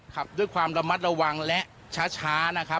ขับด้วยความระมัดระวังและช้านะครับ